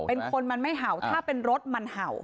เป็นคนมันไม่เห่าถ้าเป็นรถมันเห่า